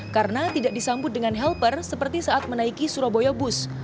karena tidak disambut dengan helper seperti saat menaiki surabaya bus